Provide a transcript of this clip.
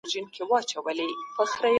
حنفي فقه د انسانانو ژوند ساتي.